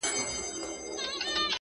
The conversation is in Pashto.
ستا د رخسار په ائينه کي مُصور ورک دی!!